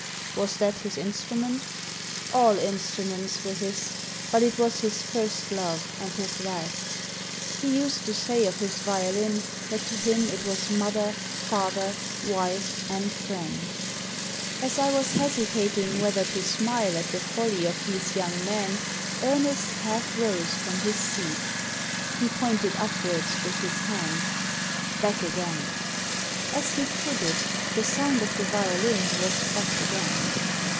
" Was that his instrument ?" ''All instruments were his. But it was his first love, and his last ! He used to say of his violin that to him it was mother, father, wife, and friend." As I was hesitating whether to smile at the folly of these young men Ernest half rose from his seat He pointed upwards with his hand "Back again!" Digitized by VjOOQIC 100 THE SEEN AND THE UNSEEN As he put it the sound of the violin was back again.